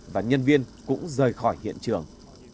và nhân viên cũng rời khỏi hiện trường